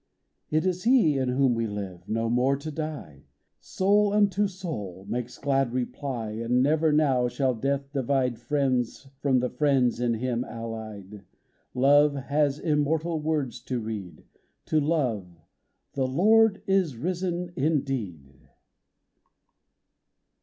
" It is He In whom we live, no more to die !" Soul unto soul makes glad reply. And never now shall death divide Friends from the friends in Him allied ; Love has immortal words to read To love, — "The Lord is risen indeed."